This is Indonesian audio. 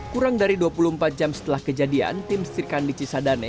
kurang dari dua puluh empat jam setelah kejadian tim setirkan di cisadane